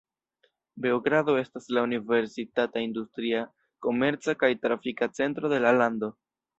Beogrado estas la universitata, industria, komerca kaj trafika centro de la lando.